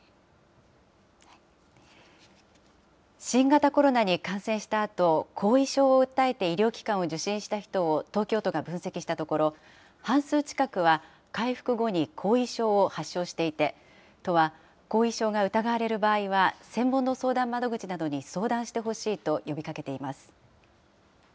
新型コロナに感染したあと、後遺症を訴えて医療機関を受診した人を東京都が分析したところ、半数近くは回復後に後遺症を発症していて、都は、後遺症が疑われる場合は、専門の相談窓口などに相談してほしいと呼びかけています。